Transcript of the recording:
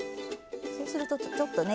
そうするとちょっとね